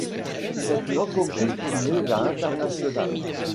C'est une entreprise tournée vers l'international.